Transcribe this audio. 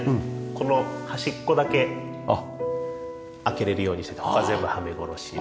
この端っこだけ開けられるようにして他は全部はめ殺し。